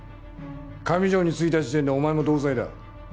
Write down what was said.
上條についた時点でお前も同罪だ。